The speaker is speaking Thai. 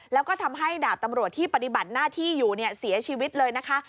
แล้วก็ทำให้ดาบตำรวจที่ปฏิบัติหน้าที่อยู่เนี่ยเสียชีวิตเลยนะคะ